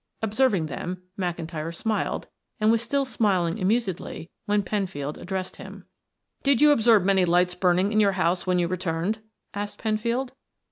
Observing them, McIntyre smiled and was still smiling amusedly when Penfield addressed him. "Did you observe many lights burning in your house when you returned?" asked Penfield.